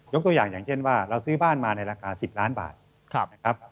ตัวอย่างอย่างเช่นว่าเราซื้อบ้านมาในราคา๑๐ล้านบาทนะครับ